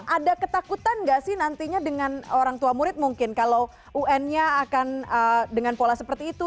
ada ketakutan nggak sih nantinya dengan orang tua murid mungkin kalau un nya akan dengan pola seperti itu